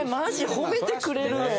褒めてくれるの？